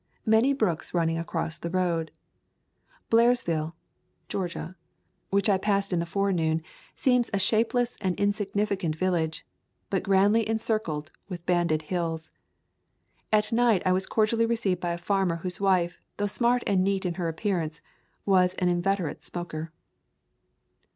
Many brooks running across the road. Blairsville [ 43 ] A Thousand Mile Walk [Georgia], which I passed in the forenoon, seems a shapeless and insignificant village, but grandly encircled with banded hills. At night I was cordially received by a farmer whose wife, though smart and neat in her appearance, was an inveterate smoker.